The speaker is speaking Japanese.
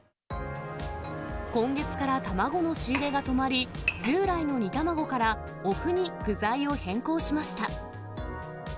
今月から卵の仕入れが止まり、従来の煮卵からおふに具材を変更しました。